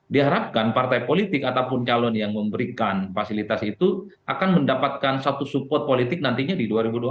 diharapkan partai politik ataupun calon yang memberikan fasilitas itu akan mendapatkan satu support politik nantinya di dua ribu dua puluh empat